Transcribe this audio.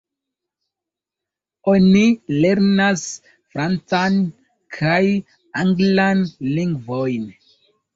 Oni lernas francan kaj anglan lingvojn.